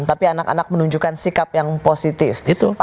tapi anak anak menunjukkan sikap yang positif